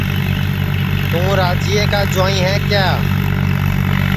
تُوں راجِئے کا جُوائیں ہے کِیا